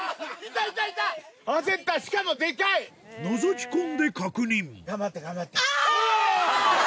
のぞき込んで確認あぁ！